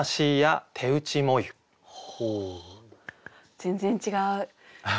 全然違う。